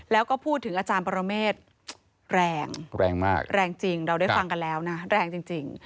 แล้วก็พูดถึงอาจารย์ปรเมฆแรงแรงมากแรงจริงเราได้ฟังกันแล้วนะแรงจริง